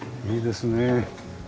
いいですねえ。